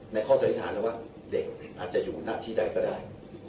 ข้อสันนิษฐานแล้วว่าเด็กอาจจะอยู่หน้าที่ใดก็ได้